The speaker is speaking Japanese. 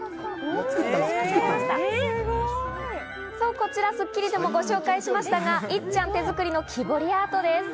こちら『スッキリ』でもご紹介しましたが、いっちゃん手作りの木彫りアートです。